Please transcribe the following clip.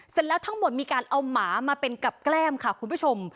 เสร็จแล้วทั้งหมดมีการเอาหมามาเป็นกับแก้มค่ะคุณผู้ชม